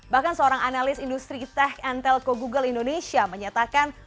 bahkan seorang analis industri tech antelco google indonesia menyatakan